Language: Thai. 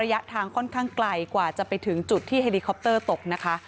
ระยะทางค่อนข้างไกลกว่าจะไปถึงจุดที่เฮลิคอปเตอร์ตกนะคะ